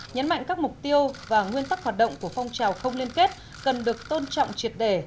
nhấn mạnh các mục tiêu và nguyên tắc hoạt động của phong trào không liên kết cần được tôn trọng triệt để